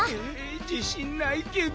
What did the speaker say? じしんないけど。